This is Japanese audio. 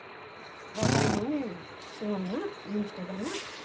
若いのに、すごいな、いい人だなって。